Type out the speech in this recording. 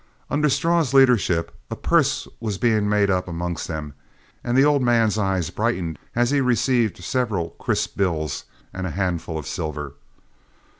Under Straw's leadership, a purse was being made up amongst them, and the old man's eyes brightened as he received several crisp bills and a handful of silver.